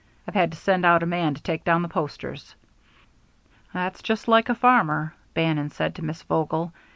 I've had to send out a man to take down the posters." "That's just like a farmer," Bannon said to Miss Vogel.